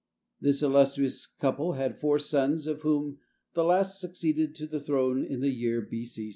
This illustrious couple had four sons, of whom the last succeeded to the throne in the year B.C.